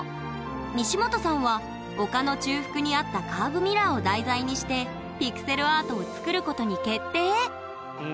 西本さんは丘の中腹にあったカーブミラーを題材にしてピクセルアートを作ることに決定！